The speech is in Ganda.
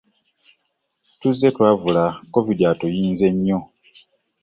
Tuzze twavula, Covid atuyinze nnyo